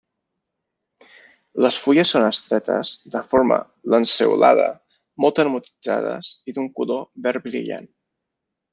Les fulles són estretes, de forma lanceolada, molt aromatitzades i d'un color verd brillant.